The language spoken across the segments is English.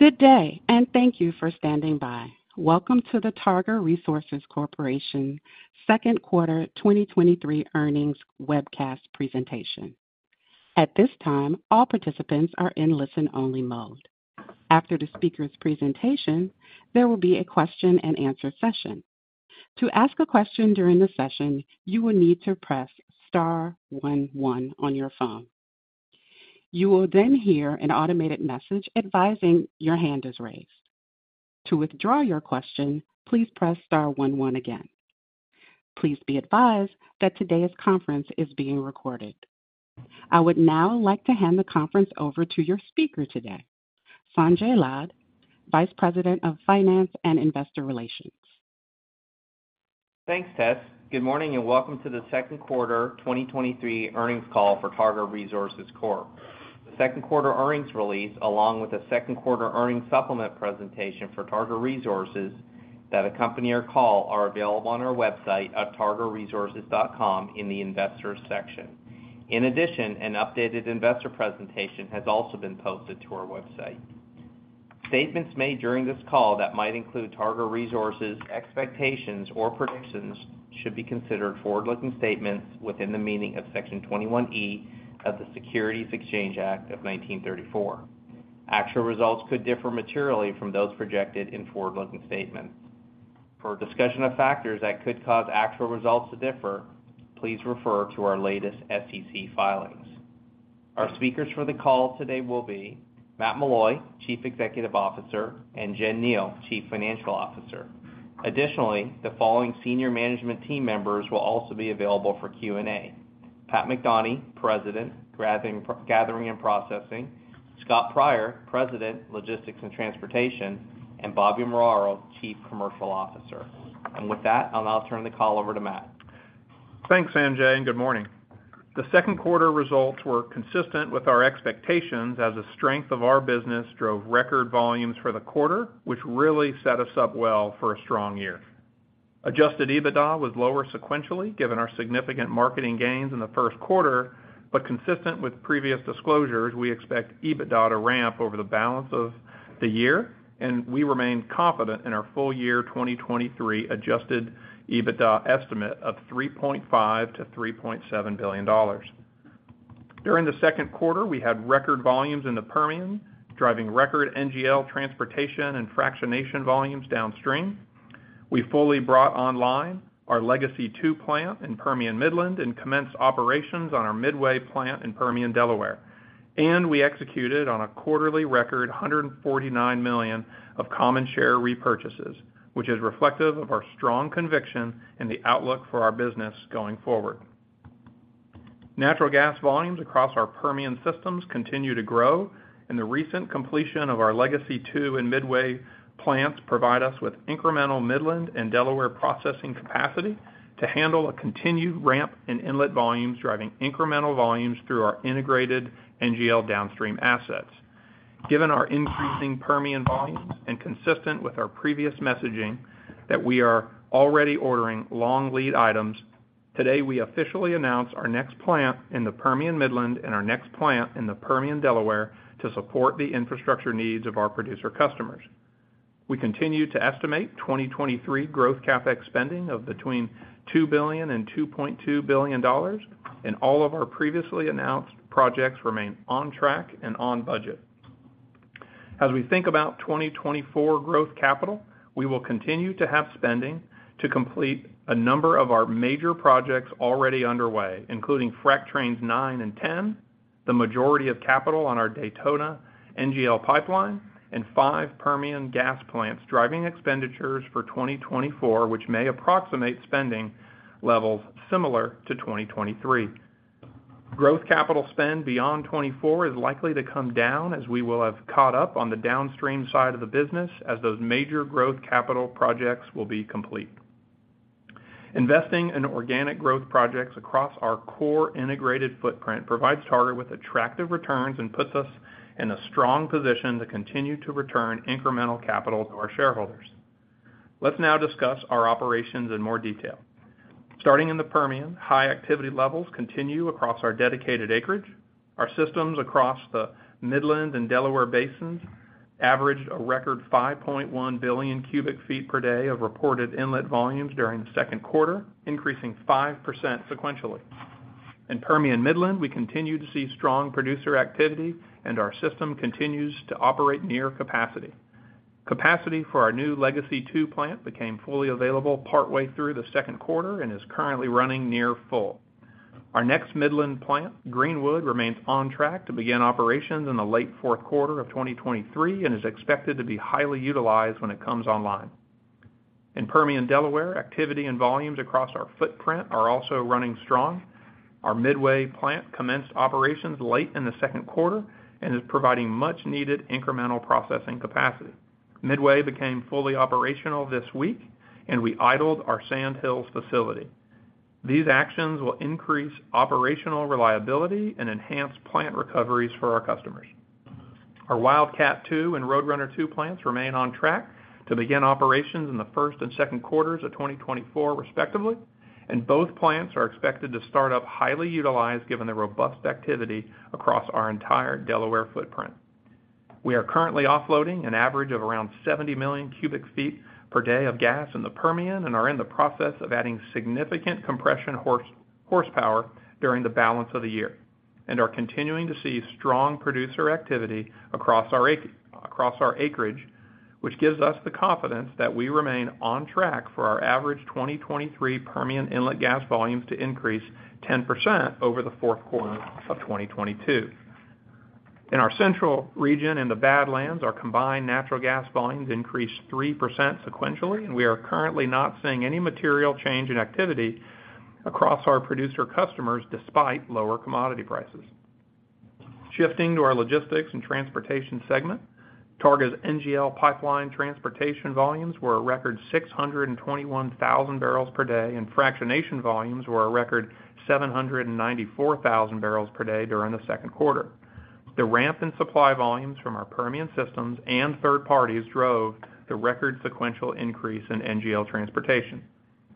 Good day, thank you for standing by. Welcome to the Targa Resources Corporation Second Quarter 2023 Earnings Webcast Presentation. At this time, all participants are in listen-only mode. After the speaker's presentation, there will be a question-and-answer session. To ask a question during the session, you will need to press star one one on your phone. You will hear an automated message advising your hand is raised. To withdraw your question, please press star one one again. Please be advised that today's conference is being recorded. I would now like to hand the conference over to your speaker today, Sanjay Lad, Vice President of Finance and Investor Relations. Thanks, Tess. Good morning, and welcome to the second quarter 2023 earnings call for Targa Resources Corp. The second quarter earnings release, along with the second quarter earnings supplement presentation for Targa Resources that accompany our call, are available on our website at targaresources.com in the Investors section. In addition, an updated investor presentation has also been posted to our website. Statements made during this call that might include Targa Resources expectations or predictions should be considered forward-looking statements within the meaning of Section 21E of the Securities Exchange Act of 1934. Actual results could differ materially from those projected in forward-looking statements. For a discussion of factors that could cause actual results to differ, please refer to our latest SEC filings. Our speakers for the call today will be Matt Meloy, Chief Executive Officer, and Jen Kneale, Chief Financial Officer. Additionally, the following senior management team members will also be available for Q&A: Pat McDonie, President, Gathering and Processing; Scott Pryor, President, Logistics and Transportation; and Bobby Muraro, Chief Commercial Officer. With that, I'll now turn the call over to Matt. Thanks, Sanjay. Good morning. The second quarter results were consistent with our expectations as the strength of our business drove record volumes for the quarter, which really set us up well for a strong year. Adjusted EBITDA was lower sequentially, given our significant marketing gains in the first quarter. Consistent with previous disclosures, we expect EBITDA to ramp over the balance of the year. We remain confident in our full year 2023 Adjusted EBITDA estimate of $3.5 billion-$3.7 billion. During the second quarter, we had record volumes in the Permian, driving record NGL transportation and fractionation volumes downstream. We fully brought online our Legacy II plant in Permian Midland and commenced operations on our Midway plant in Permian Delaware. We executed on a quarterly record $149 million of common share repurchases, which is reflective of our strong conviction in the outlook for our business going forward. Natural gas volumes across our Permian systems continue to grow. The recent completion of our Legacy II and Midway plants provide us with incremental Midland and Delaware processing capacity to handle a continued ramp in inlet volumes, driving incremental volumes through our integrated NGL downstream assets. Given our increasing Permian volumes and consistent with our previous messaging that we are already ordering long lead items, today, we officially announce our next plant in the Permian Midland and our next plant in the Permian Delaware to support the infrastructure needs of our producer customers. We continue to estimate 2023 growth CapEx spending of between $2 billion and $2.2 billion, all of our previously announced projects remain on track and on budget. As we think about 2024 growth capital, we will continue to have spending to complete a number of our major projects already underway, including Frac Trains 9 and 10, the majority of capital on our Daytona NGL Pipeline and five Permian gas plants, driving expenditures for 2024, which may approximate spending levels similar to 2023. Growth capital spend beyond 2024 is likely to come down as we will have caught up on the downstream side of the business as those major growth capital projects will be complete. Investing in organic growth projects across our core integrated footprint provides Targa with attractive returns and puts us in a strong position to continue to return incremental capital to our shareholders. Let's now discuss our operations in more detail. Starting in the Permian, high activity levels continue across our dedicated acreage. Our systems across the Midland and Delaware basins averaged a record 5.1 billion cubic feet per day of reported inlet volumes during the second quarter, increasing 5% sequentially. In Permian Midland, we continue to see strong producer activity, and our system continues to operate near capacity. Capacity for our new Legacy II plant became fully available partway through the second quarter and is currently running near full. Our next Midland plant, Greenwood, remains on track to begin operations in the late fourth quarter of 2023 and is expected to be highly utilized when it comes online. In Permian, Delaware, activity and volumes across our footprint are also running strong. Our Midway plant commenced operations late in the second quarter and is providing much-needed incremental processing capacity. Midway became fully operational this week, and we idled our Sand Hills facility. These actions will increase operational reliability and enhance plant recoveries for our customers. Our Wildcat II and Roadrunner II plants remain on track to begin operations in the first and second quarters of 2024, respectively. Both plants are expected to start up highly utilized, given the robust activity across our entire Delaware footprint. We are currently offloading an average of around 70 million cubic feet per day of gas in the Permian, and are in the process of adding significant compression horsepower during the balance of the year, and are continuing to see strong producer activity across our acreage, which gives us the confidence that we remain on track for our average 2023 Permian inlet gas volumes to increase 10% over the fourth quarter of 2022. In our central region and the Badlands, our combined natural gas volumes increased 3% sequentially, and we are currently not seeing any material change in activity across our producer customers, despite lower commodity prices. Shifting to our Logistics and Transportation segment, Targa's NGL pipeline transportation volumes were a record 621,000 barrels per day, and fractionation volumes were a record 794,000 barrels per day during the second quarter. The ramp in supply volumes from our Permian systems and third parties drove the record sequential increase in NGL transportation.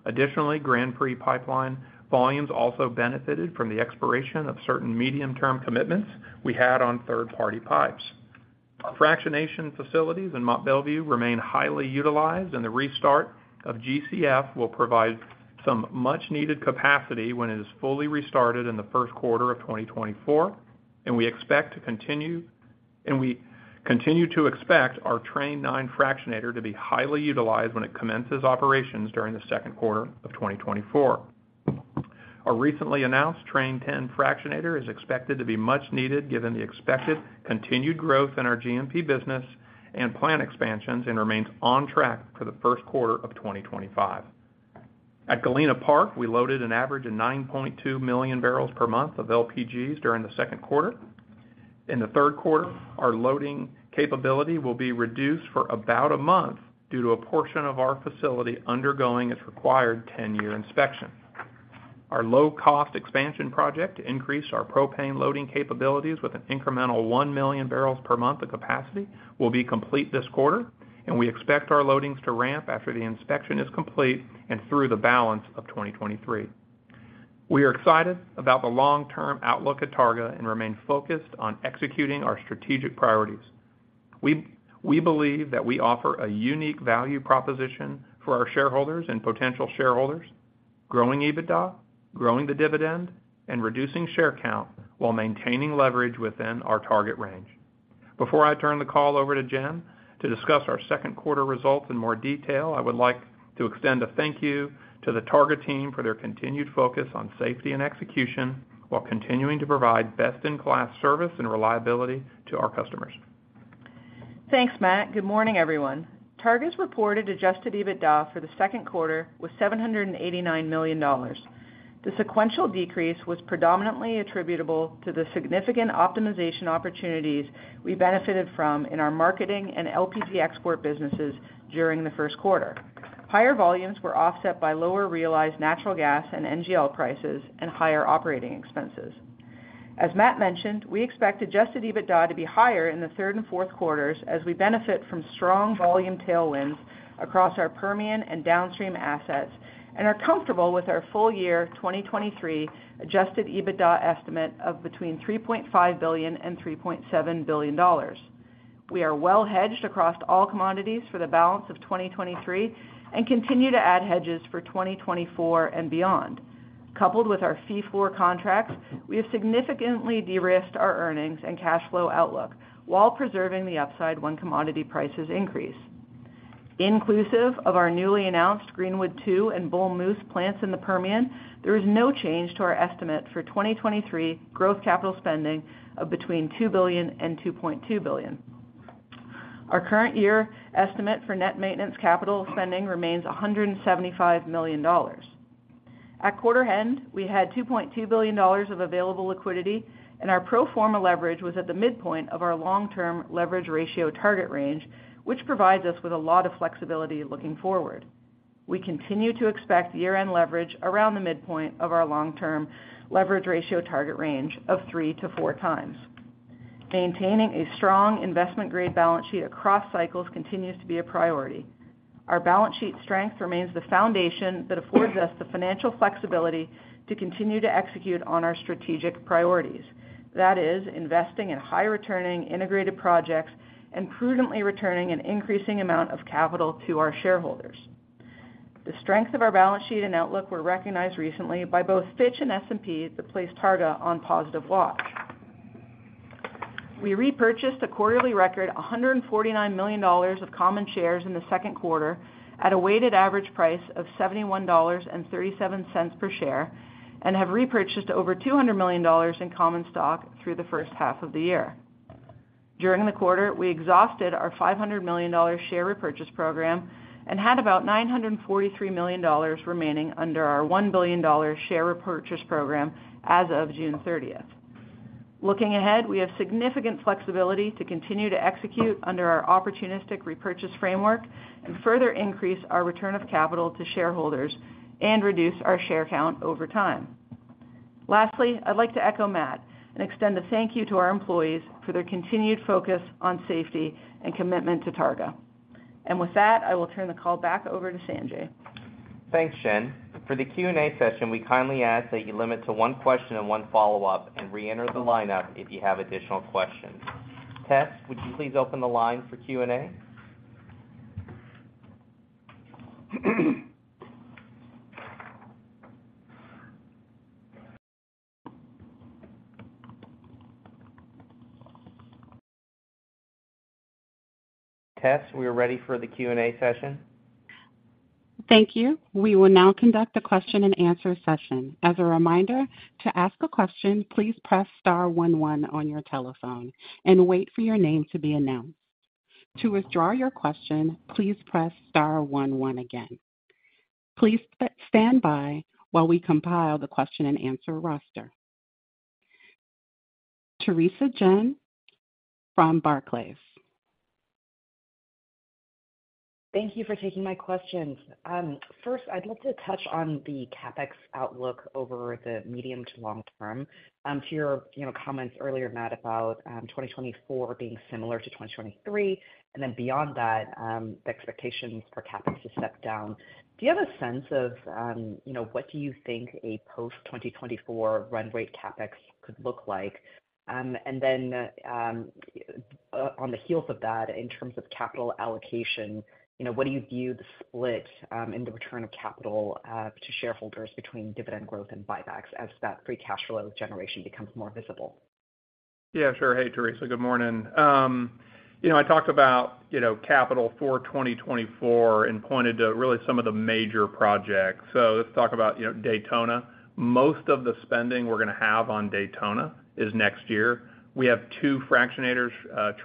Additionally, Grand Prix pipeline volumes also benefited from the expiration of certain medium-term commitments we had on third-party pipes. Our fractionation facilities in Mont Belvieu remain highly utilized, and the restart of GCF will provide some much-needed capacity when it is fully restarted in the first quarter of 2024, we continue to expect our Train 9 fractionator to be highly utilized when it commences operations during the second quarter of 2024. Our recently announced Train 10 fractionator is expected to be much needed, given the expected continued growth in our G&P business and plant expansions, and remains on track for the first quarter of 2025. At Galena Park, we loaded an average of 9.2 million barrels per month of LPGs during the second quarter. In the third quarter, our loading capability will be reduced for about a month due to a portion of our facility undergoing its required 10-year inspection. Our low-cost expansion project to increase our propane loading capabilities with an incremental 1 million barrels per month of capacity will be complete this quarter, and we expect our loadings to ramp after the inspection is complete and through the balance of 2023. We are excited about the long-term outlook at Targa and remain focused on executing our strategic priorities. We, we believe that we offer a unique value proposition for our shareholders and potential shareholders, growing EBITDA, growing the dividend, and reducing share count while maintaining leverage within our target range. Before I turn the call over to Jen to discuss our second quarter results in more detail, I would like to extend a thank you to the Targa team for their continued focus on safety and execution while continuing to provide best-in-class service and reliability to our customers. Thanks, Matt. Good morning, everyone. Targa's reported Adjusted EBITDA for the second quarter was $789 million. The sequential decrease was predominantly attributable to the significant optimization opportunities we benefited from in our marketing and LPG export businesses during the first quarter. Higher volumes were offset by lower realized natural gas and NGL prices and higher operating expenses. As Matt mentioned, we expect Adjusted EBITDA to be higher in the third and fourth quarters as we benefit from strong volume tailwinds across our Permian and downstream assets, and are comfortable with our full year 2023 Adjusted EBITDA estimate of between $3.5 billion and $3.7 billion. We are well hedged across all commodities for the balance of 2023 and continue to add hedges for 2024 and beyond. Coupled with our fee-for contracts, we have significantly de-risked our earnings and cash flow outlook while preserving the upside when commodity prices increase. Inclusive of our newly announced Greenwood II and Bull Moose plants in the Permian, there is no change to our estimate for 2023 growth capital spending of between $2 billion and $2.2 billion. Our current year estimate for net maintenance capital spending remains $175 million. At quarter end, we had $2.2 billion of available liquidity, and our pro forma leverage was at the midpoint of our long-term leverage ratio target range, which provides us with a lot of flexibility looking forward. We continue to expect year-end leverage around the midpoint of our long-term leverage ratio target range of 3x-4x. Maintaining a strong investment-grade balance sheet across cycles continues to be a priority. Our balance sheet strength remains the foundation that affords us the financial flexibility to continue to execute on our strategic priorities. That is, investing in high-returning integrated projects and prudently returning an increasing amount of capital to our shareholders. The strength of our balance sheet and outlook were recognized recently by both Fitch and S&P, that placed Targa on positive watch. We repurchased a quarterly record, $149 million of common shares in the second quarter at a weighted average price of $71.37 per share, and have repurchased over $200 million in common stock through the first half of the year. During the quarter, we exhausted our $500 million share repurchase program and had about $943 million remaining under our $1 billion share repurchase program as of June 30th. Looking ahead, we have significant flexibility to continue to execute under our opportunistic repurchase framework and further increase our return of capital to shareholders and reduce our share count over time. Lastly, I'd like to echo Matt and extend a thank you to our employees for their continued focus on safety and commitment to Targa. With that, I will turn the call back over to Sanjay. Thanks, Jen. For the Q&A session, we kindly ask that you limit to one question and one follow-up, and reenter the lineup if you have additional questions. Tess, would you please open the line for Q&A? Tess, we are ready for the Q&A session. Thank you. We will now conduct a question-and-answer session. As a reminder, to ask a question, please press star one, one on your telephone and wait for your name to be announced. To withdraw your question, please press star one, one again. Please stand by while we compile the question-and-answer roster. Theresa Chen from Barclays. Thank you for taking my questions. First, I'd love to touch on the CapEx outlook over the medium to long term. To your, you know, comments earlier, Matt, about 2024 being similar to 2023, and then beyond that, the expectations for CapEx to step down. Do you have a sense of, you know, what do you think a post 2024 run rate CapEx could look like? Then, on the heels of that, in terms of capital allocation, you know, what do you view the split in the return of capital to shareholders between dividend growth and buybacks as that free cash flow generation becomes more visible? Yeah, sure. Hey, Theresa, good morning. You know, I talked about, you know, capital for 2024 and pointed to really some of the major projects. Let's talk about, you know, Daytona. Most of the spending we're going to have on Daytona is next year. We have two fractionators,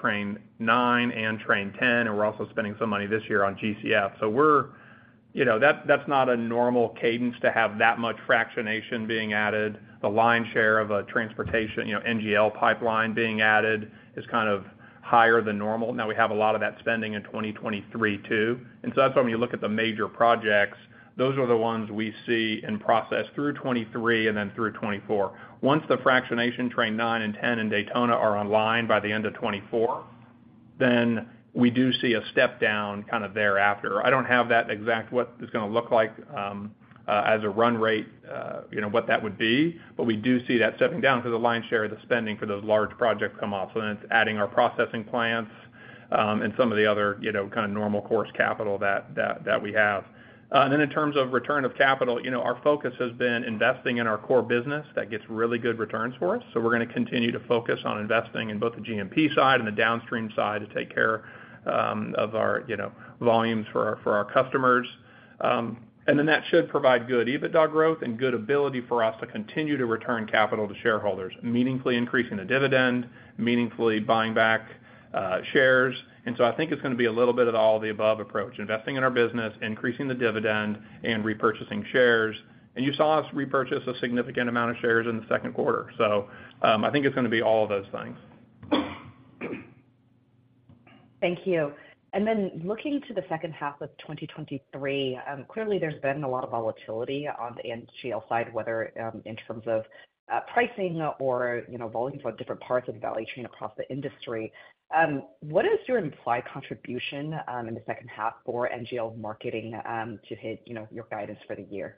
Train 9 and Train 10, and we're also spending some money this year on GCF. You know, that, that's not a normal cadence to have that much fractionation being added. The line share of a transportation, you know, NGL pipeline being added is kind of higher than normal. We have a lot of that spending in 2023, too. That's when you look at the major projects, those are the ones we see in process through 2023 and then through 2024. Once the Fractionation Trains 9 and 10 in Daytona are online by the end of 2024, we do see a step down kind of thereafter. I don't have that exact, what it's going to look like, as a run rate, you know, what that would be, but we do see that stepping down because the lion's share of the spending for those large projects come off. Then it's adding our processing plants, and some of the other, you know, kind of normal course capital that, that, that we have. Then in terms of return of capital, you know, our focus has been investing in our core business. That gets really good returns for us. We're going to continue to focus on investing in both the G&P side and the downstream side to take care of our, you know, volumes for our, for our customers. That should provide good EBITDA growth and good ability for us to continue to return capital to shareholders, meaningfully increasing the dividend, meaningfully buying back shares. I think it's going to be a little bit of all the above approach, investing in our business, increasing the dividend, and repurchasing shares. You saw us repurchase a significant amount of shares in the second quarter. I think it's going to be all of those things. Thank you. Then looking to the second half of 2023, clearly, there's been a lot of volatility on the NGL side, whether in terms of pricing or, you know, volumes for different parts of the value chain across the industry. What is your implied contribution in the second half for NGL marketing to hit, you know, your guidance for the year?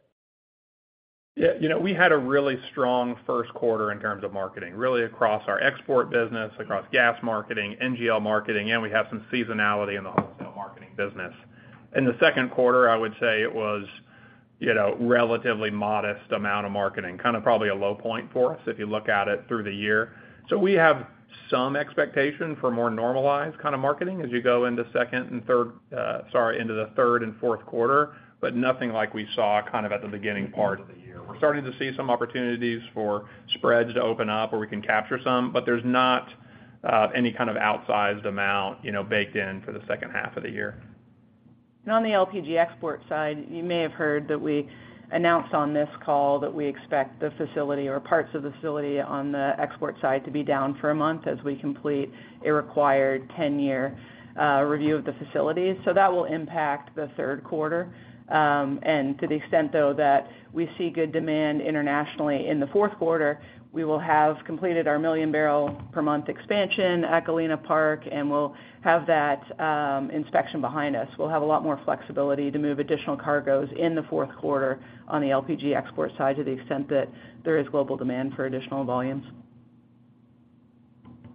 Yeah, you know, we had a really strong first quarter in terms of marketing, really across our export business, across gas marketing, NGL marketing, and we have some seasonality in the wholesale marketing business. In the second quarter, I would say it was, you know, relatively modest amount of marketing, kind of probably a low point for us if you look at it through the year. We have some expectation for more normalized kind of marketing as you go into second and third, sorry, into the third and fourth quarter, but nothing like we saw kind of at the beginning part of the year. We're starting to see some opportunities for spreads to open up, or we can capture some, but there's not any kind of outsized amount, you know, baked in for the second half of the year. On the LPG export side, you may have heard that we announced on this call that we expect the facility or parts of the facility on the export side to be down for a month as we complete a required 10-year review of the facilities. That will impact the third quarter. To the extent, though, that we see good demand internationally in the fourth quarter, we will have completed our 1 million barrel per month expansion at Galena Park, and we'll have that inspection behind us. We'll have a lot more flexibility to move additional cargoes in the fourth quarter on the LPG export side to the extent that there is global demand for additional volumes.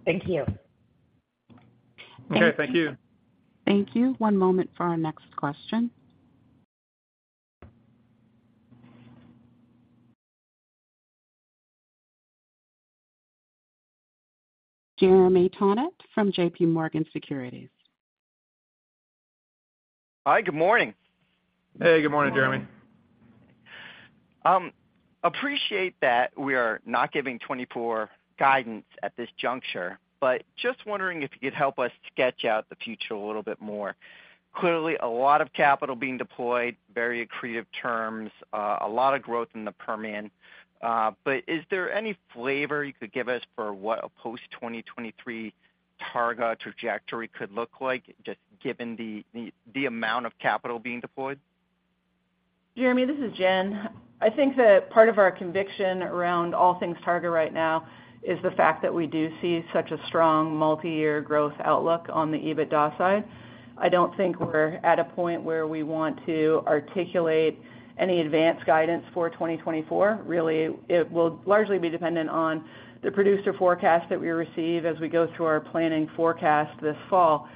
Thank you. Okay, thank you. Thank you. One moment for our next question. Jeremy Tonet from JPMorgan Securities. Hi, good morning. Hey, good morning, Jeremy. Appreciate that we are not giving 24 guidance at this juncture, but just wondering if you could help us sketch out the future a little bit more. Clearly, a lot of capital being deployed, very accretive terms, a lot of growth in the Permian. But is there any flavor you could give us for what a post-2023... Targa trajectory could look like, just given the, the, the amount of capital being deployed? Jeremy, this is Jen. I think that part of our conviction around all things Targa right now is the fact that we do see such a strong multi-year growth outlook on the EBITDA side. I don't think we're at a point where we want to articulate any advanced guidance for 2024. It will largely be dependent on the producer forecast that we receive as we go through our planning forecast this fall.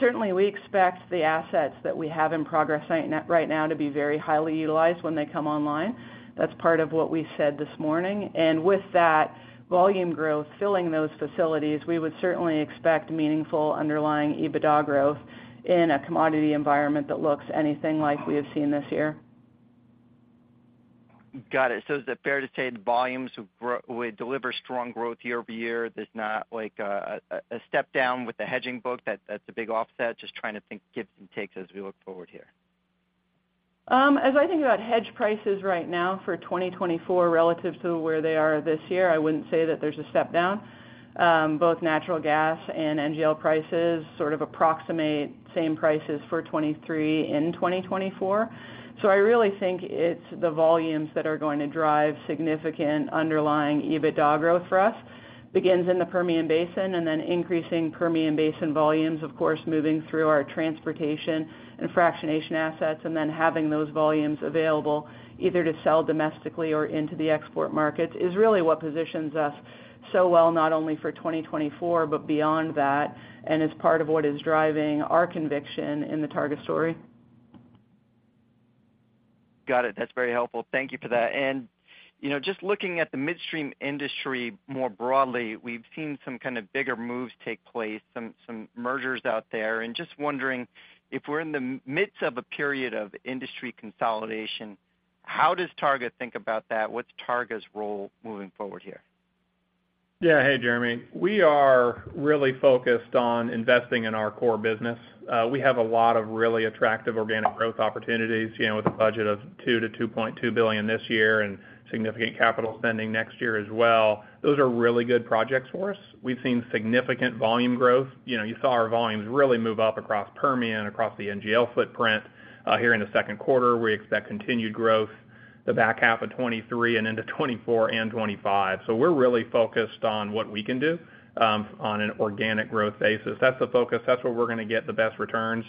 Certainly, we expect the assets that we have in progress right now to be very highly utilized when they come online. That's part of what we said this morning. With that volume growth, filling those facilities, we would certainly expect meaningful underlying EBITDA growth in a commodity environment that looks anything like we have seen this year. Got it. Is it fair to say the volumes would deliver strong growth year-over-year? There's not like a step down with the hedging book, that's a big offset. Just trying to think gives and takes as we look forward here. As I think about hedge prices right now for 2024 relative to where they are this year, I wouldn't say that there's a step down. Both natural gas and NGL prices sort of approximate same prices for 2023 and 2024. I really think it's the volumes that are going to drive significant underlying EBITDA growth for us, begins in the Permian Basin, then increasing Permian Basin volumes, of course, moving through our transportation and fractionation assets, then having those volumes available either to sell domestically or into the export markets, is really what positions us so well, not only for 2024, but beyond that, is part of what is driving our conviction in the Targa story. Got it. That's very helpful. Thank you for that. You know, just looking at the midstream industry more broadly, we've seen some kind of bigger moves take place, some, some mergers out there. Just wondering if we're in the midst of a period of industry consolidation, how does Targa think about that? What's Targa's role moving forward here? Yeah. Hey, Jeremy. We are really focused on investing in our core business. We have a lot of really attractive organic growth opportunities, you know, with a budget of $2 billion-$2.2 billion this year and significant capital spending next year as well. Those are really good projects for us. We've seen significant volume growth. You know, you saw our volumes really move up across Permian, across the NGL footprint. Here in the second quarter, we expect continued growth, the back half of 2023 and into 2024 and 2025. We're really focused on what we can do on an organic growth basis. That's the focus, that's where we're going to get the best returns.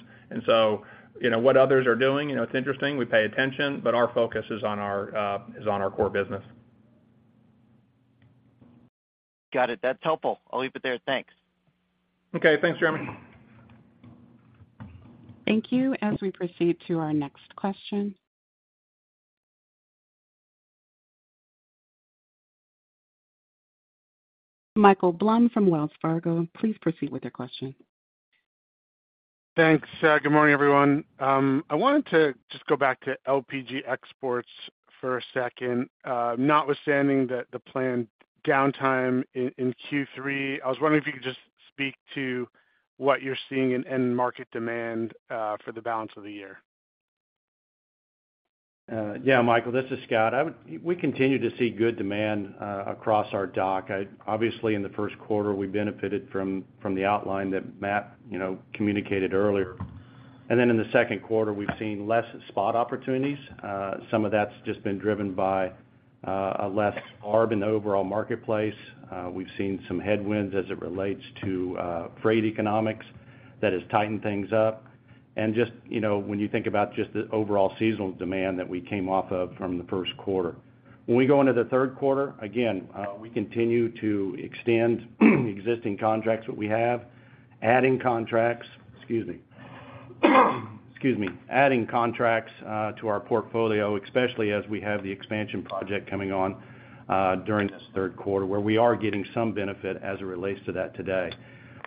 You know, what others are doing, you know, it's interesting, we pay attention, but our focus is on our core business. Got it. That's helpful. I'll leave it there. Thanks. Okay. Thanks, Jeremy. Thank you. As we proceed to our next question. Michael Blum from Wells Fargo, please proceed with your question. Thanks. Good morning, everyone. I wanted to just go back to LPG exports for a second. Notwithstanding the planned downtime in Q3, I was wondering if you could just speak to what you're seeing in end market demand for the balance of the year. Yeah, Michael, this is Scott. I would- We continue to see good demand, across our dock. I-- obviously, in the first quarter, we benefited from, from the outline that Matt, you know, communicated earlier. In the second quarter, we've seen less spot opportunities. Some of that's just been driven by, a less arb in the overall marketplace. We've seen some headwinds as it relates to, freight economics that has tightened things up. Just, you know, when you think about just the overall seasonal demand that we came off of from the first quarter. When we go into the third quarter, again, we continue to extend existing contracts that we have, adding contracts. Excuse me. Excuse me. Adding contracts to our portfolio, especially as we have the expansion project coming on during this third quarter, where we are getting some benefit as it relates to that today.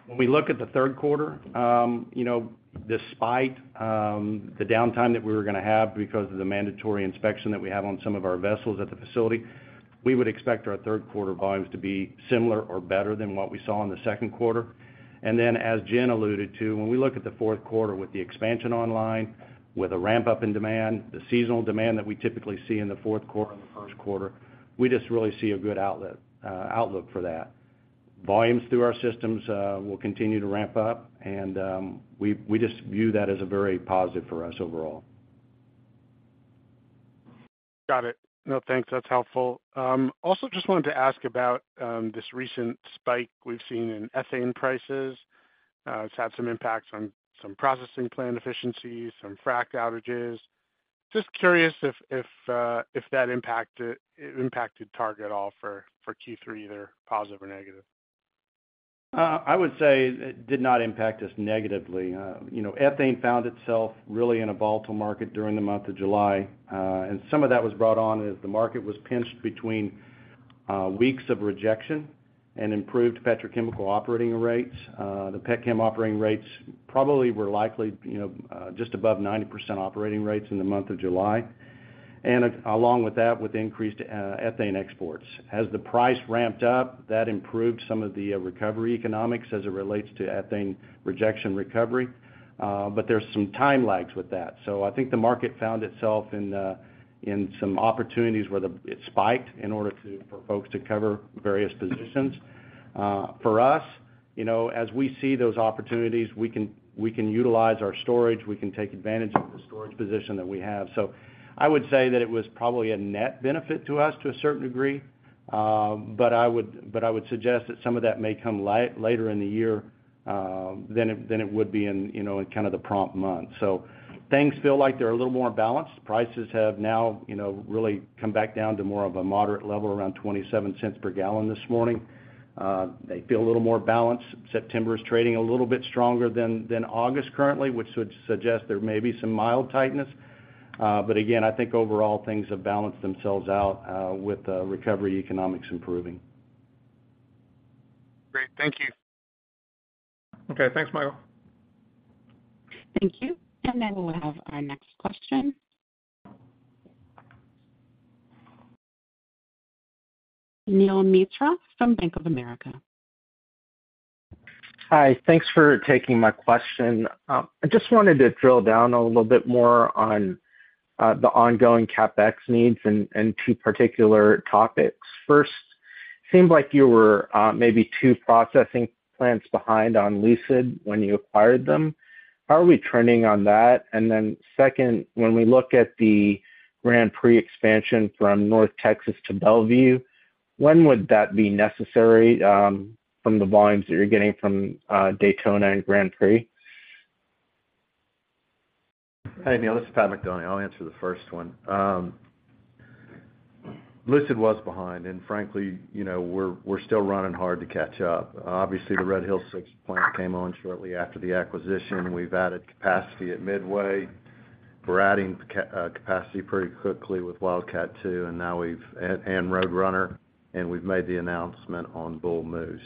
When we look at the third quarter, you know, despite the downtime that we were going to have because of the mandatory inspection that we have on some of our vessels at the facility, we would expect our third quarter volumes to be similar or better than what we saw in the second quarter. As Jen alluded to, when we look at the fourth quarter with the expansion online, with a ramp-up in demand, the seasonal demand that we typically see in the fourth quarter and the first quarter, we just really see a good outlet, outlook for that. Volumes through our systems, will continue to ramp up, and, we, we just view that as a very positive for us overall. Got it. No, thanks. That's helpful. Also just wanted to ask about this recent spike we've seen in ethane prices. It's had some impacts on some processing plant efficiencies, some frac outages. Just curious if that impacted Targa at all for Q3, either positive or negative. I would say it did not impact us negatively. You know, ethane found itself really in a volatile market during the month of July. Some of that was brought on as the market was pinched between weeks of rejection and improved petrochemical operating rates. The petchem operating rates probably were likely, you know, just above 90% operating rates in the month of July, along with that, with increased ethane exports. As the price ramped up, that improved some of the recovery economics as it relates to ethane rejection recovery, but there's some time lags with that. I think the market found itself in some opportunities where it spiked in order to, for folks to cover various positions. For us-- you know, as we see those opportunities, we can, we can utilize our storage, we can take advantage of the storage position that we have. I would say that it was probably a net benefit to us to a certain degree, but I would suggest that some of that may come later in the year than it would be in, you know, in kind of the prompt month. Things feel like they're a little more balanced. Prices have now, you know, really come back down to more of a moderate level, around $0.27 per gallon this morning. They feel a little more balanced. September is trading a little bit stronger than August currently, which would suggest there may be some mild tightness. Again, I think overall, things have balanced themselves out, with the recovery economics improving. Great. Thank you. Okay. Thanks, Mike. Thank you. Then we'll have our next question. Neel Mitra from Bank of America. Hi, thanks for taking my question. I just wanted to drill down a little bit more on the ongoing CapEx needs and two particular topics. First, seemed like you were, maybe tw processing plants behind on Lucid when you acquired them. How are we trending on that? Then second, when we look at the Grand Prix expansion from North Texas to Mont Belvieu, when would that be necessary, from the volumes that you're getting from Daytona and Grand Prix? Hi, Neel. This is Pat McDonie. I'll answer the first one. Lucid was behind, frankly, you know, we're, we're still running hard to catch up. Obviously, the Red Hills VI plant came on shortly after the acquisition. We've added capacity at Midway. We're adding capacity pretty quickly with Wildcat Two, and now we've... And Roadrunner, and we've made the announcement on Bull Moose.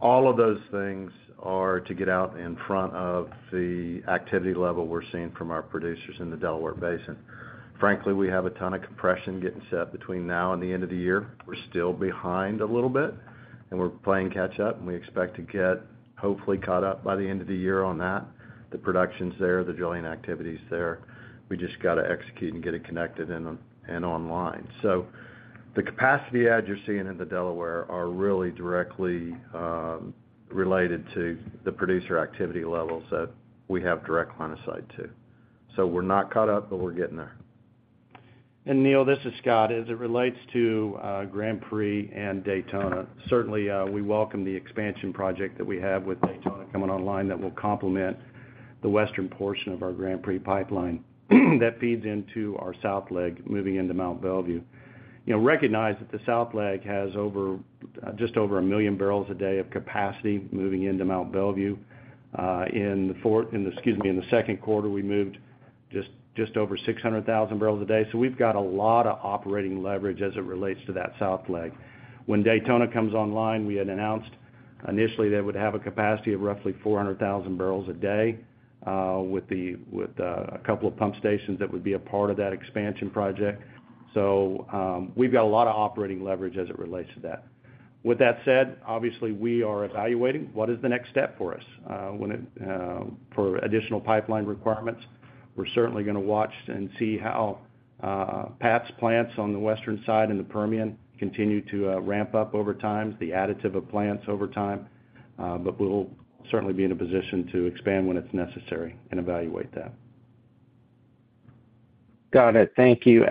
All of those things are to get out in front of the activity level we're seeing from our producers in the Delaware Basin. Frankly, we have a ton of compression getting set between now and the end of the year. We're still behind a little bit, and we're playing catch up, and we expect to get hopefully caught up by the end of the year on that. The production's there, the drilling activity is there. We just got to execute and get it connected and, and online. The capacity adds you're seeing in the Delaware are really directly, related to the producer activity levels that we have direct line of sight to. We're not caught up, but we're getting there. Neal, this is Scott. As it relates to Grand Prix and Daytona, certainly, we welcome the expansion project that we have with Daytona coming online that will complement the western portion of our Grand Prix pipeline, that feeds into our south leg, moving into Mont Belvieu. You know, recognize that the south leg has over, just over 1 million barrels a day of capacity, moving into Mont Belvieu. In the second quarter, we moved just, just over 600,000 barrels a day. We've got a lot of operating leverage as it relates to that south leg. When Daytona comes online, we had announced initially, they would have a capacity of roughly 400,000 barrels a day, with a couple of pump stations that would be a part of that expansion project. We've got a lot of operating leverage as it relates to that. With that said, obviously, we are evaluating what is the next step for us, when it, for additional pipeline requirements. We're certainly gonna watch and see how Pat's plants on the western side in the Permian continue to ramp up over time, the additive of plants over time. We'll certainly be in a position to expand when it's necessary and evaluate that. Got it. Thank you.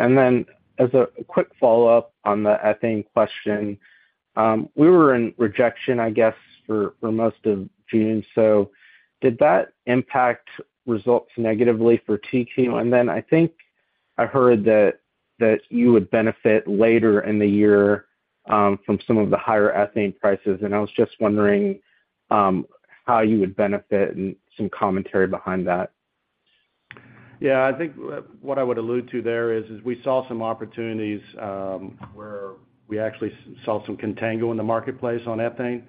As a quick follow-up on the ethane question, we were in rejection, I guess, for, for most of June. Did that impact results negatively for Targa? I think I heard that, that you would benefit later in the year from some of the higher ethane prices, and I was just wondering how you would benefit and some commentary behind that. Yeah, I think what I would allude to there is, is we saw some opportunities, where we actually saw some contango in the marketplace on ethane,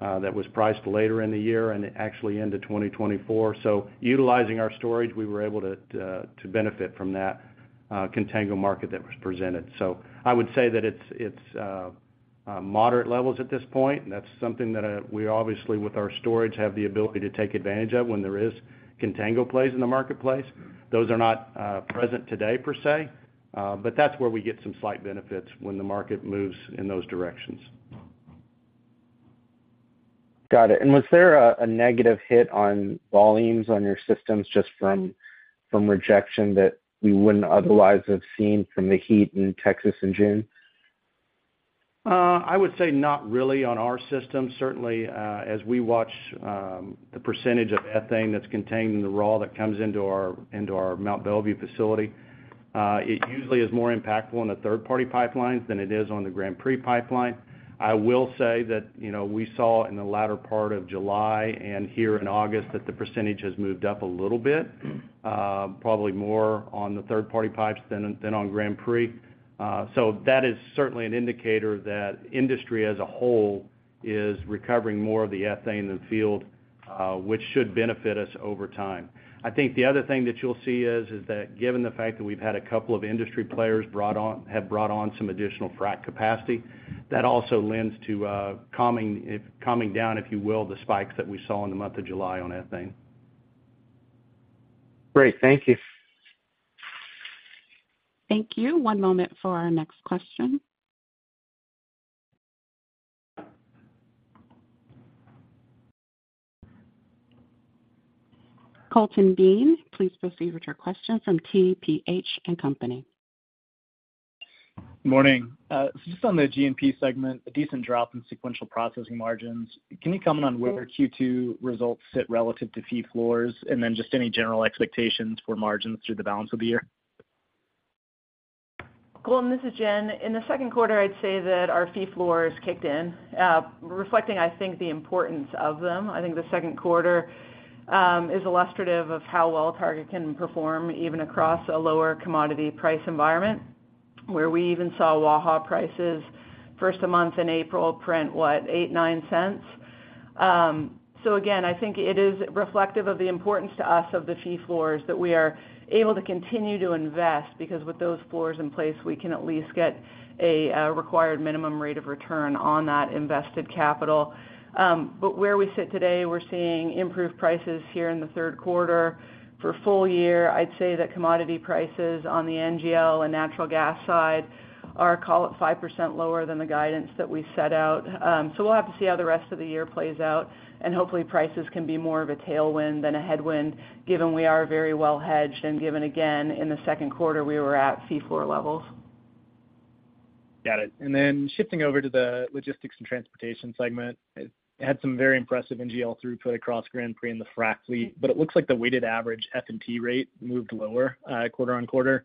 that was priced later in the year and actually into 2024. Utilizing our storage, we were able to to benefit from that contango market that was presented. I would say that it's, it's moderate levels at this point, and that's something that we obviously, with our storage, have the ability to take advantage of when there is contango plays in the marketplace. Those are not present today per se, but that's where we get some slight benefits when the market moves in those directions. Got it. Was there a negative hit on volumes on your systems just from, from rejection that you wouldn't otherwise have seen from the heat in Texas in June? I would say not really on our system. Certainly, as we watch, the percentage of ethane that's contained in the raw that comes into our, into our Mont Belvieu facility, it usually is more impactful on the third-party pipelines than it is on the Grand Prix pipeline. I will say that, you know, we saw in the latter part of July and here in August, that the percentage has moved up a little bit, probably more on the third-party pipes than, than on Grand Prix. That is certainly an indicator that industry as a whole is recovering more of the ethane in the field, which should benefit us over time. I think the other thing that you'll see is, is that given the fact that we've had a couple of industry players have brought on some additional frac capacity, that also lends to calming, calming down, if you will, the spikes that we saw in the month of July on ethane. Great. Thank you. Thank you. One moment for our next question. Colton Bean, please proceed with your question from TPH and Company. Morning. Just on the G&P segment, a decent drop in sequential processing margins. Can you comment on where Q2 results sit relative to fee floors, and just any general expectations for margins through the balance of the year? Colton, this is Jen. In the second quarter, I'd say that our fee floors kicked in, reflecting, I think, the importance of them. I think the second quarter is illustrative of how well Targa can perform even across a lower commodity price environment, where we even saw Waha prices first a month in April, print what? $0.08-$0.09. Again, I think it is reflective of the importance to us of the fee floors, that we are able to continue to invest, because with those floors in place, we can at least get a required minimum rate of return on that invested capital. Where we sit today, we're seeing improved prices here in the third quarter. For full year, I'd say that commodity prices on the NGL and natural gas side are, call it, 5% lower than the guidance that we set out. We'll have to see how the rest of the year plays out, and hopefully, prices can be more of a tailwind than a headwind, given we are very well hedged and given, again, in the second quarter, we were at fee floor levels. Got it. Then shifting over to the Logistics and Transportation segment, it had some very impressive NGL throughput across Grand Prix in the frac fleet, but it looks like the weighted average F&T rate moved lower, quarter-over-quarter.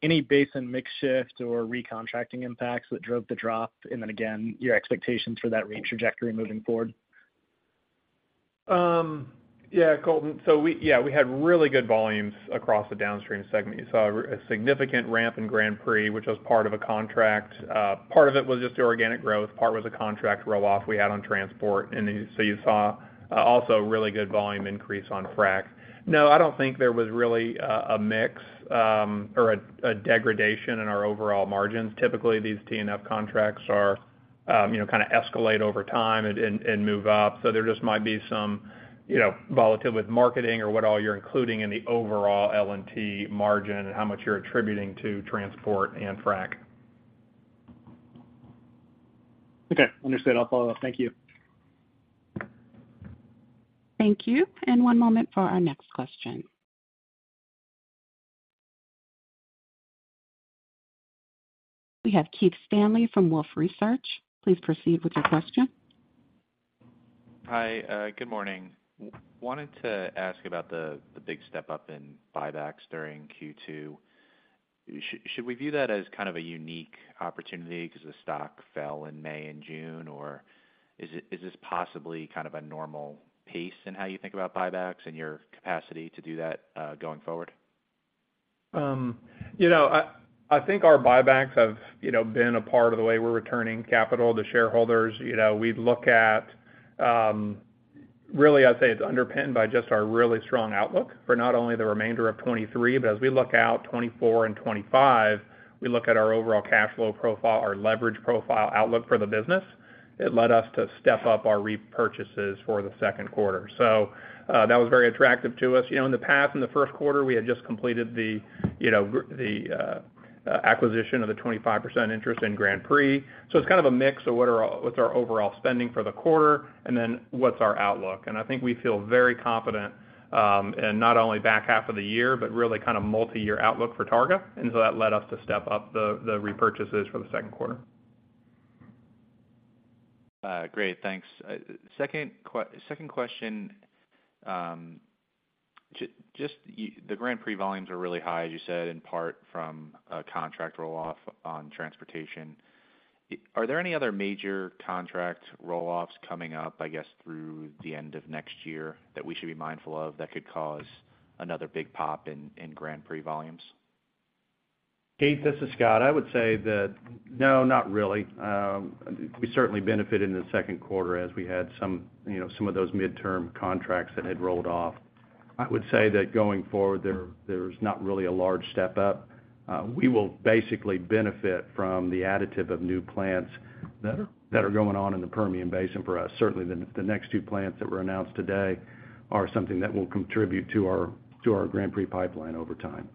Any basin mix shift or recontracting impacts that drove the drop? Then again, your expectations for that rate trajectory moving forward? Yeah, Colton. So yeah, we had really good volumes across the downstream segment. You saw a significant ramp in Grand Prix, which was part of a contract. Part of it was just the organic growth, part was a contract roll-off we had on transport. And then, so you saw also a really good volume increase on frac. No, I don't think there was really a mix, or a degradation in our overall margins. Typically, these T&F contracts are, you know, kind of escalate over time and move up. So there just might be some, you know, volatility with marketing or what all you're including in the overall LNT margin and how much you're attributing to transport and frac. Okay, understood. I'll follow up. Thank you. Thank you. One moment for our next question. We have Keith Stanley from Wolfe Research. Please proceed with your question. Hi, good morning. Wanted to ask about the big step-up in buybacks during Q2. Should we view that as kind of a unique opportunity because the stock fell in May and June? Is this possibly kind of a normal pace in how you think about buybacks and your capacity to do that going forward? You know, I, I think our buybacks have, you know, been a part of the way we're returning capital to shareholders. You know, we look at. Really, I'd say it's underpinned by just our really strong outlook for not only the remainder of 2023, but as we look out 2024 and 2025, we look at our overall cash flow profile, our leverage profile outlook for the business. It led us to step up our repurchases for the second quarter. That was very attractive to us. You know, in the past, in the first quarter, we had just completed the, you know, the acquisition of the 25% interest in Grand Prix. It's kind of a mix of what's our overall spending for the quarter and then what's our outlook? I think we feel very confident, in not only back half of the year, but really kind of multi-year outlook for Targa. That led us to step up the, the repurchases for the second quarter. Great, thanks. Second question, the Grand Prix volumes are really high, as you said, in part from a contract roll-off on transportation. Are there any other major contract roll-offs coming up, I guess, through the end of next year, that we should be mindful of, that could cause another big pop in, in Grand Prix volumes? Keith, this is Scott. I would say that, no, not really. We certainly benefited in the second quarter as we had some, you know, some of those midterm contracts that had rolled off. I would say that going forward, there, there's not really a large step up. We will basically benefit from the additive of new plants that are, that are going on in the Permian Basin for us. Certainly, the, the next two plants that were announced today are something that will contribute to our, to our Grand Prix pipeline over time.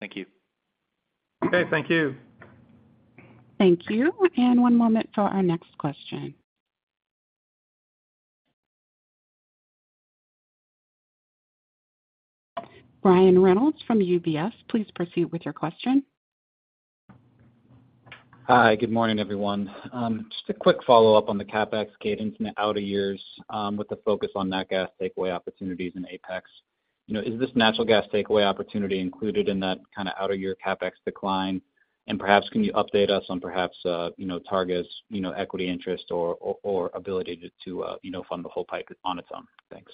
Thank you. Okay, thank you. Thank you. One moment for our next question. Brian Reynolds from UBS, please proceed with your question. Hi, good morning, everyone. Just a quick follow-up on the CapEx cadence in the outer years, with the focus on that gas takeaway opportunities in Apex. You know, is this natural gas takeaway opportunity included in that kind of outer year CapEx decline? Perhaps can you update us on perhaps, you know, Targa's, you know, equity interest or, or, or ability to, you know, fund the whole pipe on its own? Thanks.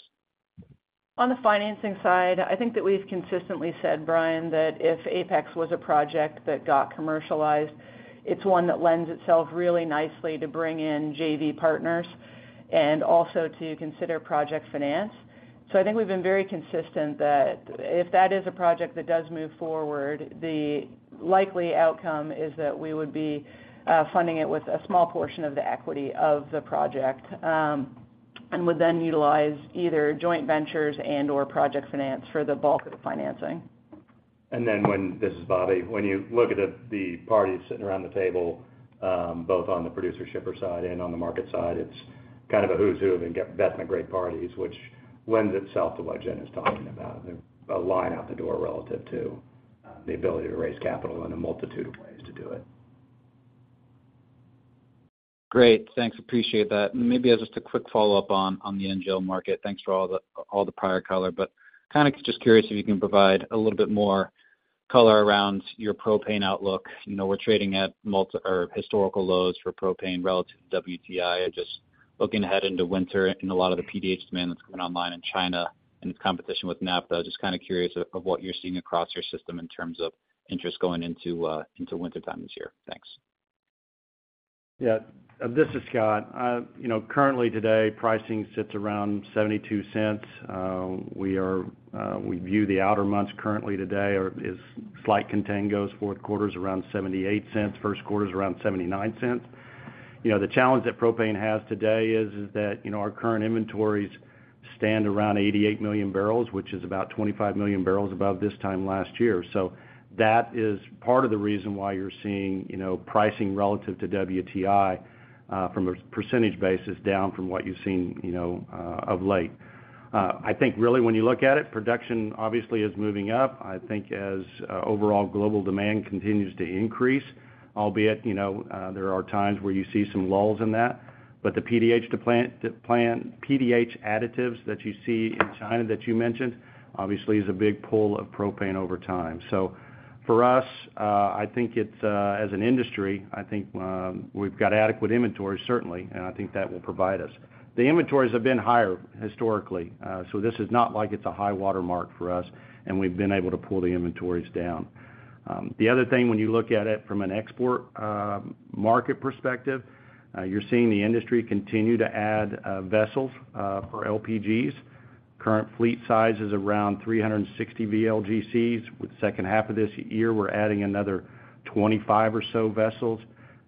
On the financing side, I think that we've consistently said, Brian, that if Apex was a project that got commercialized, it's one that lends itself really nicely to bring in JV partners and also to consider project finance. I think we've been very consistent that if that is a project that does move forward, the likely outcome is that we would be funding it with a small portion of the equity of the project. Would then utilize either joint ventures and or project finance for the bulk of the financing. This is Bobby. When you look at the, the parties sitting around the table, both on the producer shipper side and on the market side, it's kind of a who's who, that's the great parties, which lends itself to what Jen is talking about. There's a line out the door relative to the ability to raise capital in a multitude of ways to do it. Great, thanks. Appreciate that. Maybe just a quick follow-up on, on the NGL market. Thanks for all the, all the prior color, kind of just curious if you can provide a little bit more color around your propane outlook. You know, we're trading at mult- or historical lows for propane relative to WTI. I just looking ahead into winter and a lot of the PDH demand that's coming online in China and its competition with Naphtha. Just kind of curious of, of what you're seeing across your system in terms of interest going into wintertime this year. Thanks. Yeah, this is Scott. You know, currently today, pricing sits around $0.72. We are, we view the outer months currently today are, is slight contangos. Fourth quarter's around $0.78, first quarter's around $0.79. You know, the challenge that propane has today is, is that, you know, our current inventories stand around 88 million barrels, which is about 25 million barrels above this time last year. That is part of the reason why you're seeing, you know, pricing relative to WTI, from a percentage basis, down from what you've seen, you know, of late. I think really, when you look at it, production obviously is moving up. I think as, overall global demand continues to increase, albeit, you know, there are times where you see some lulls in that. The PDH to plant, to plant, PDH additives that you see in China, that you mentioned, obviously, is a big pull of propane over time. For us, I think it's as an industry, I think, we've got adequate inventory, certainly, and I think that will provide us. The inventories have been higher historically, so this is not like it's a high watermark for us, and we've been able to pull the inventories down. The other thing, when you look at it from an export market perspective, you're seeing the industry continue to add vessels for LPGs. Current fleet size is around 360 VLGCs. With the second half of this year, we're adding another 25 or so vessels,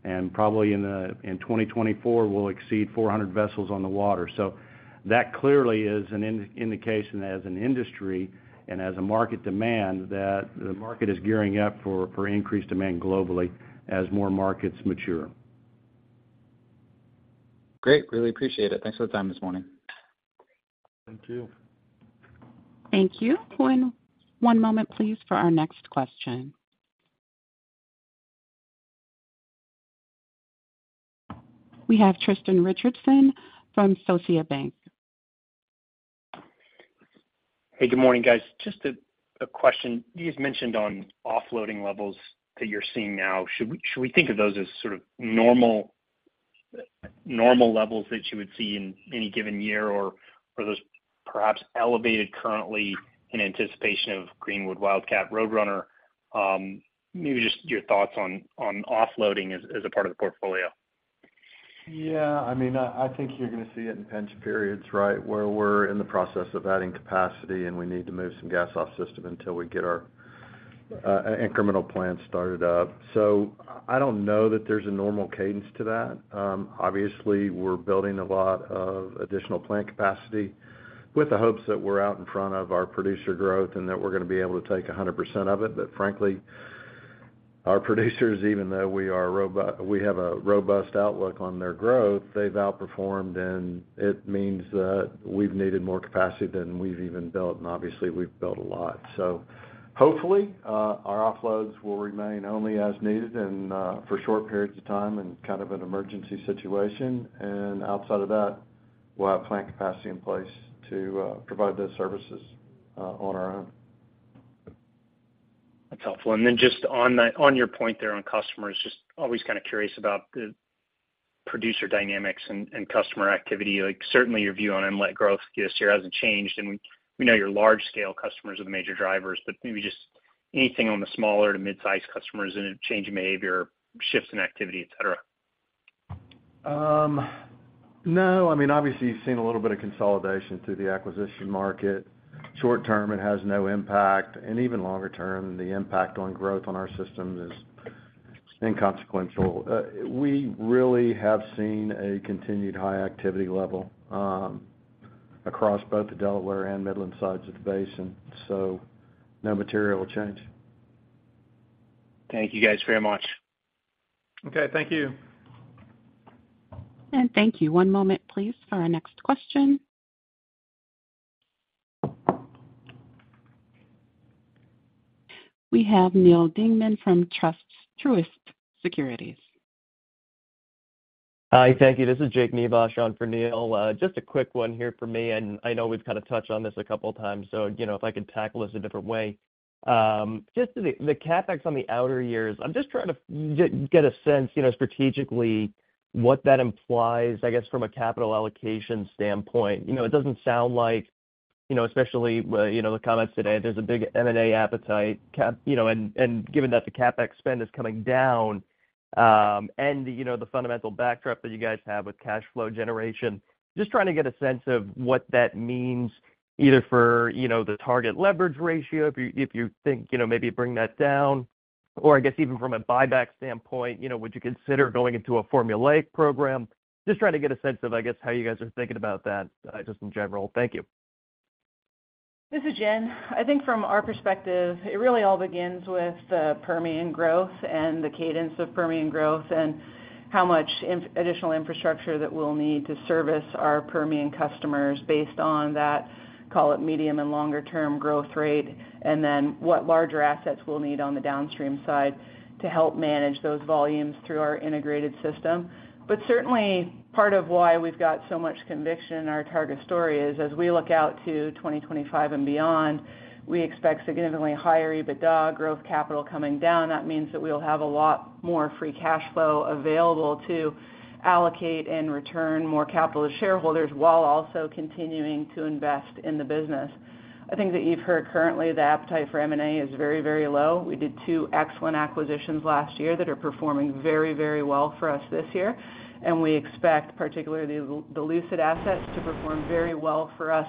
and probably in the, in 2024, we'll exceed 400 vessels on the water. That clearly is an indication that as an industry and as a market demand, that the market is gearing up for, for increased demand globally as more markets mature. Great. Really appreciate it. Thanks for the time this morning. Thank you. Thank you. One, one moment, please for our next question. We have Tristan Richardson from Scotiabank. Hey, good morning, guys. Just a, a question. You just mentioned on offloading levels that you're seeing now. Should we, should we think of those as sort of normal, normal levels that you would see in any given year, or are those perhaps elevated currently in anticipation of Greenwood, Wildcat, Roadrunner? Maybe just your thoughts on, on offloading as, as a part of the portfolio. Yeah, I mean, I, I think you're going to see it in pinch periods, right? Where we're in the process of adding capacity, and we need to move some gas off system until we get our incremental plan started up. I don't know that there's a normal cadence to that. Obviously, we're building a lot of additional plant capacity with the hopes that we're out in front of our producer growth and that we're going to be able to take 100% of it. Frankly, our producers, even though we are robot-- we have a robust outlook on their growth, they've outperformed, and it means that we've needed more capacity than we've even built, and obviously, we've built a lot. Hopefully, our offloads will remain only as needed and for short periods of time in kind of an emergency situation. Outside of that, we'll have plant capacity in place to provide those services on our own. That's helpful. Then just on your point there on customers, just always kind of curious about the producer dynamics and customer activity. Like, certainly, your view on inlet growth this year hasn't changed, and we know your large-scale customers are the major drivers, but maybe just anything on the smaller to mid-sized customers and a change in behavior, shifts in activity, etc. No. I mean, obviously, you've seen a little bit of consolidation through the acquisition market. Short term, it has no impact, and even longer term, the impact on growth on our system is inconsequential. We really have seen a continued high activity level across both the Delaware and Midland sides of the basin, so no material will change. Thank you guys very much. Okay, thank you. Thank you. One moment, please, for our next question. We have Neal Dingman from Truist Securities. Hi, thank you. This is Jake Nivasch on for Neal. Just a quick one here from me, and I know we've kind of touched on this a couple of times, so you know, if I could tackle this a different way. Just the, the CapEx on the outer years, I'm just trying to get, get a sense, you know, strategically, what that implies, I guess, from a capital allocation standpoint. You know, it doesn't sound like, you know, especially, you know, the comments today, there's a big M&A appetite, you know, and, and given that the CapEx spend is coming down, and, you know, the fundamental backdrop that you guys have with cash flow generation, just trying to get a sense of what that means, either for, you know, the target leverage ratio, if you, if you think, you know, maybe bring that down? I guess even from a buyback standpoint, you know, would you consider going into a formulaic program? Just trying to get a sense of, I guess, how you guys are thinking about that, just in general. Thank you. This is Jen. I think from our perspective, it really all begins with the Permian growth and the cadence of Permian growth, how much additional infrastructure that we'll need to service our Permian customers based on that, call it, medium and longer term growth rate, then what larger assets we'll need on the downstream side to help manage those volumes through our integrated system. Certainly, part of why we've got so much conviction in our Targa story is, as we look out to 2025 and beyond, we expect significantly higher EBITDA, growth capital coming down. That means that we'll have a lot more free cash flow available to allocate and return more capital to shareholders, while also continuing to invest in the business. I think that you've heard currently, the appetite for M&A is very, very low. We did two excellent acquisitions last year that are performing very, very well for us this year, and we expect, particularly the Lucid assets, to perform very well for us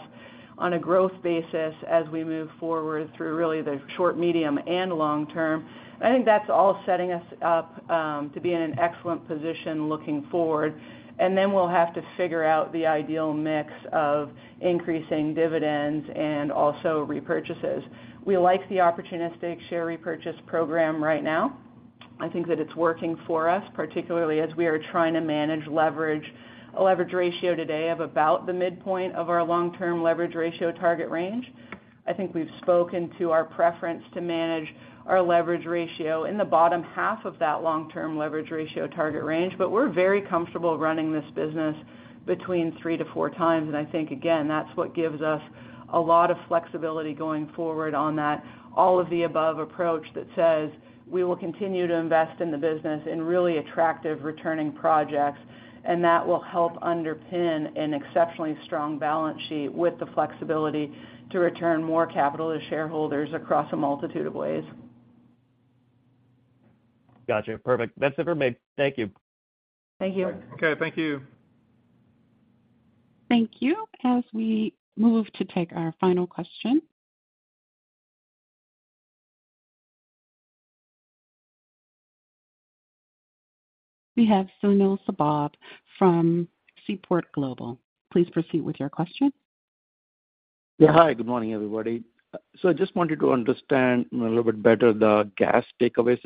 on a growth basis as we move forward through really the short, medium, and long term. I think that's all setting us up to be in an excellent position looking forward. We'll have to figure out the ideal mix of increasing dividends and also repurchases. We like the opportunistic share repurchase program right now. I think that it's working for us, particularly as we are trying to manage leverage, a leverage ratio today of about the midpoint of our long-term leverage ratio target range. I think we've spoken to our preference to manage our leverage ratio in the bottom half of that long-term leverage ratio target range, but we're very comfortable running this business between 3x-4x. I think, again, that's what gives us a lot of flexibility going forward on that all-of-the-above approach that says, we will continue to invest in the business in really attractive returning projects, and that will help underpin an exceptionally strong balance sheet with the flexibility to return more capital to shareholders across a multitude of ways. Gotcha. Perfect. That's it for me. Thank you. Thank you. Okay, thank you. Thank you. As we move to take our final question, we have Sunil Sibal from Seaport Global Securities. Please proceed with your question. Yeah, hi, good morning, everybody. I just wanted to understand a little bit better the gas takeaway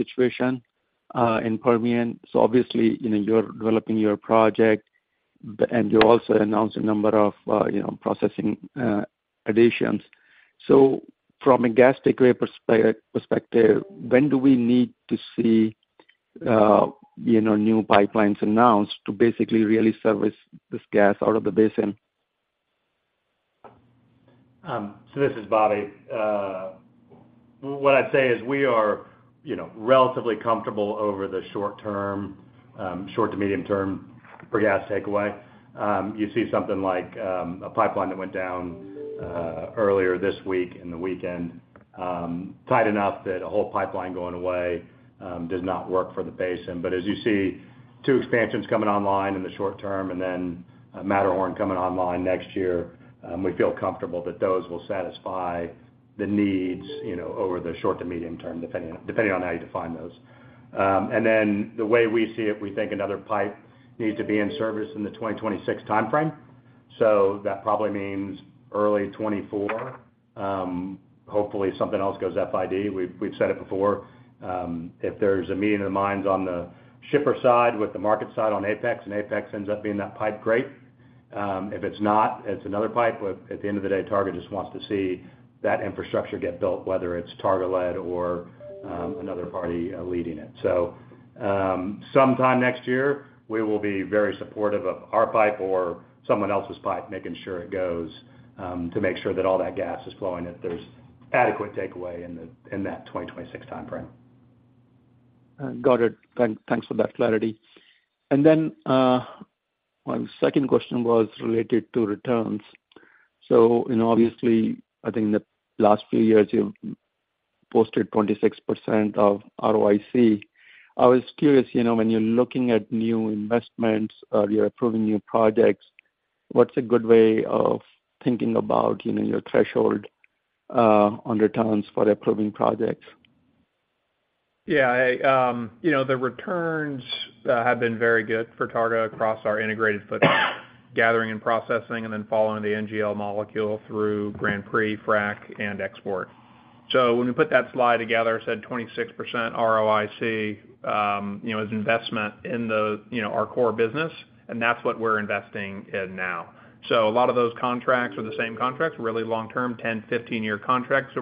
situation in Permian. Obviously, you know, you're developing your project, and you also announced a number of, you know, processing additions. From a gas takeaway perspective, when do we need to see, you know, new pipelines announced to basically really service this gas out of the basin? This is Bobby. What I'd say is we are, you know, relatively comfortable over the short term, short to medium term for gas takeaway. You see something like, a pipeline that went down earlier this week, in the weekend, tight enough that a whole pipeline going away does not work for the basin. As you see, two expansions coming online in the short term and then Matterhorn coming online next year, we feel comfortable that those will satisfy the needs, you know, over the short to medium term, depending, depending on how you define those. The way we see it, we think another pipe needs to be in service in the 2026 timeframe. That probably means early 2024. Hopefully, something else goes FID. We've, we've said it before, if there's a meeting of the minds on the shipper side with the market side on Apex, and Apex ends up being that pipe, great. If it's not, it's another pipe. At the end of the day, Targa just wants to see that infrastructure get built, whether it's Targa-led or, another party, leading it. Sometime next year, we will be very supportive of our pipe or someone else's pipe, making sure it goes, to make sure that all that gas is flowing, that there's adequate takeaway in that 2026 timeframe. Got it. Thanks for that clarity. Then, my second question was related to returns. You know, obviously, I think in the last few years, you've posted 26% of ROIC. I was curious, you know, when you're looking at new investments or you're approving new projects, what's a good way of thinking about, you know, your threshold on returns for approving projects? Yeah, I, you know, the returns have been very good for Targa across our integrated footprint, gathering and processing, and then following the NGL molecule through Grand Prix, frac, and export. When we put that slide together, it said 26% ROIC, you know, as investment in the, you know, our core business, and that's what we're investing in now. A lot of those contracts are the same contracts, really long-term, 10, 15-year contracts.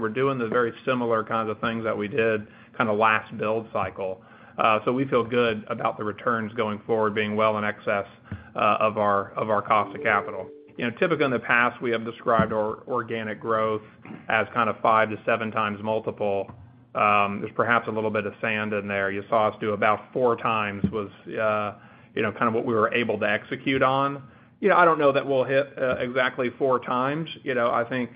We feel good about the returns going forward, being well in excess of our, of our cost of capital. You know, typically, in the past, we have described our organic growth as kind of 5x-7x multiple. There's perhaps a little bit of sand in there. You saw us do about four times was, you know, kind of what we were able to execute on. You know, I don't know that we'll hit, exactly four times. You know, I think,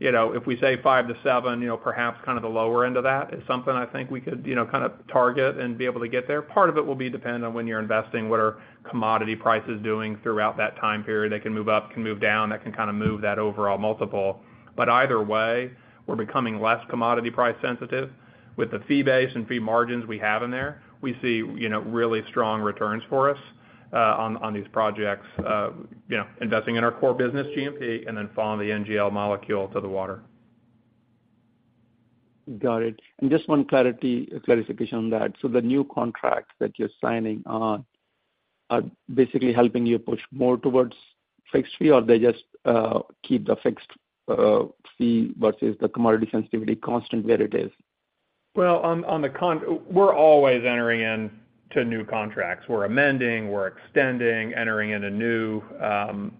you know, if we say five to seven, you know, perhaps kind of the lower end of that is something I think we could, you know, kind of target and be able to get there. Part of it will be dependent on when you're investing, what are commodity prices doing throughout that time period? They can move up, can move down, that can kind of move that overall multiple. Either way, we're becoming less commodity price sensitive. With the fee base and fee margins we have in there, we see, you know, really strong returns for us on, on these projects, you know, investing in our core business, GMP, and then following the NGL molecule to the water. Got it. Just one clarification on that. The new contract that you're signing on are basically helping you push more towards fixed fee, or they just keep the fixed fee versus the commodity sensitivity constant where it is? Well, we're always entering in to new contracts. We're amending, we're extending, entering into new,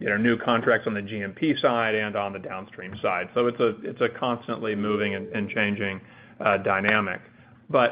you know, new contracts on the GMP side and on the downstream side. It's a, it's a constantly moving and, and changing dynamic.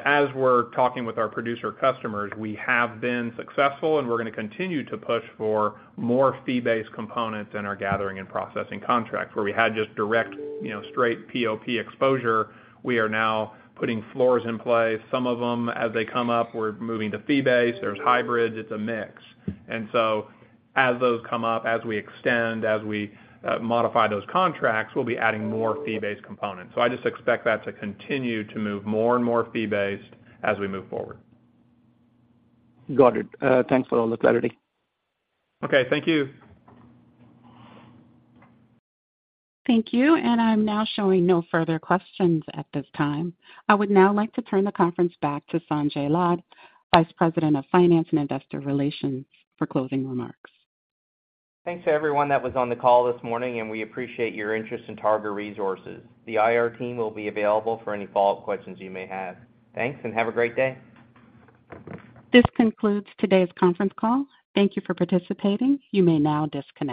As we're talking with our producer customers, we have been successful, and we're going to continue to push for more fee-based components in our gathering and processing contracts. Where we had just direct, you know, straight POP exposure, we are now putting floors in place. Some of them, as they come up, we're moving to fee-based. There's hybrids, it's a mix. As those come up, as we extend, as we modify those contracts, we'll be adding more fee-based components. I just expect that to continue to move more and more fee-based as we move forward. Got it. Thanks for all the clarity. Okay. Thank you. Thank you. I'm now showing no further questions at this time. I would now like to turn the conference back to Sanjay Lad, Vice President of Finance and Investor Relations, for closing remarks. Thanks to everyone that was on the call this morning. We appreciate your interest in Targa Resources. The IR team will be available for any follow-up questions you may have. Thanks. Have a great day. This concludes today's conference call. Thank you for participating. You may now disconnect.